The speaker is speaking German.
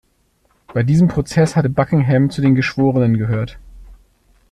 Bei diesem Prozess hatte Buckingham zu den Geschworenen gehört.